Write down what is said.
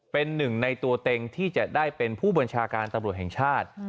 เป็นหนึ่งในตัวเต็งที่จะได้เป็นผู้บัญชาการตำรวจแห่งชาติ